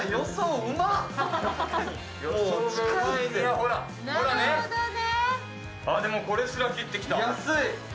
ほらね、でも、これすら切ってきた。